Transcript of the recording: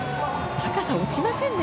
高さ落ちませんね